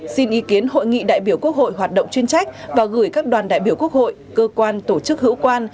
xin ý kiến hội nghị đại biểu quốc hội hoạt động chuyên trách và gửi các đoàn đại biểu quốc hội cơ quan tổ chức hữu quan